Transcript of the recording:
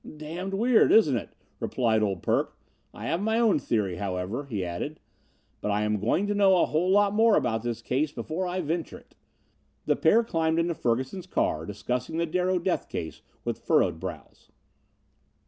"Damned weird, isn't it?" replied "Old Perk." "I have my own theory, however," he added, "but I am going to know a whole lot more about this case before I venture it." The pair climbed into Ferguson's car discussing the Darrow death case with furrowed brows.